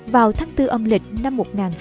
vào tháng bốn âm lịch năm